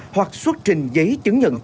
hoặc xuất trình giấy chứng